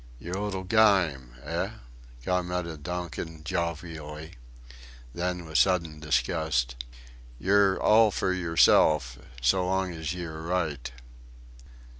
"Your little gyme? Eh?" commented Donkin, jovially. Then with sudden disgust: "Yer all for yerself, s'long as ye're right..."